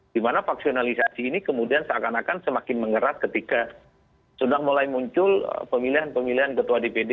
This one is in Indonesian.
dimana paksionalisasi ini kemudian seakan akan semakin mengerat ketika sudah mulai muncul pemilihan pemilihan ketua dpd